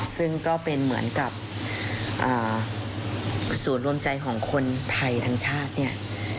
ซึ่งก็เป็นเหมือนกับศูนย์รวมใจของคนไทยทั้งชาติเนี่ย